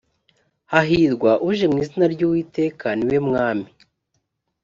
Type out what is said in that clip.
hahirwa uje mu izina ry uwiteka ni we mwami